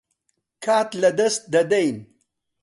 کات لەدەست دەدەین.